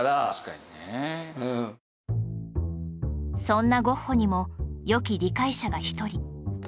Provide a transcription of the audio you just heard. そんなゴッホにも良き理解者が１人